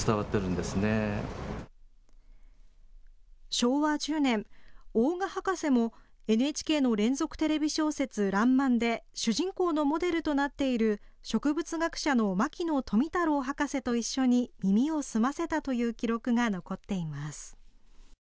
昭和１０年、大賀博士もＮＨＫの連続テレビ小説、らんまんで主人公のモデルとなっている植物学者の牧野富太郎博士と一緒に耳を澄ませたという記録が残っています。